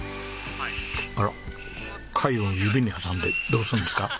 あら貝を指に挟んでどうするんですか？